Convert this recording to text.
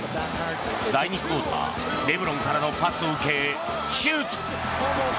第２クオーターレブロンからのパスを受けシュート！